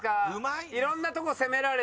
いろんなとこ攻められてね。